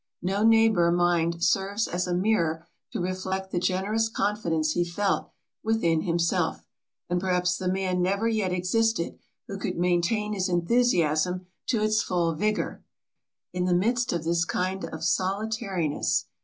No neighbour mind serves as a mirror to reflect the generous confidence he felt within himself; and perhaps the man never yet existed, who could maintain his enthusiasm to its full vigour, in the midst of this kind of solitariness.